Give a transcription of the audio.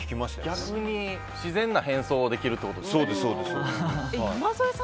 逆に自然な変装ができるってことですね。